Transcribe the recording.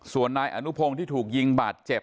ส่วนนายอนุพงศ์ที่ถูกยิงบาดเจ็บ